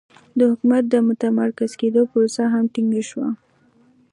د حکومت د متمرکز کېدو پروسه هم ټکنۍ شوه